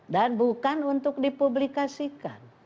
dan bukan untuk dipublikasikan